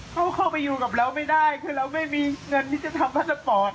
เขาเข้าไปอยู่กับเราไม่ได้คือเราไม่มีเงินที่จะทำพาสปอร์ต